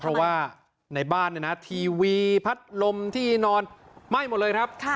เพราะว่าในบ้านเนี่ยนะทีวีพัดลมที่นอนไหม้หมดเลยครับ